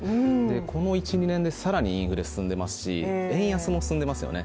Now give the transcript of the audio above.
この１２年で、さらにインフレ進んでいますし円安も進んでますよね、